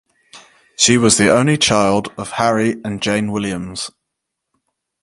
She was the only child of Harry and Jane Williams.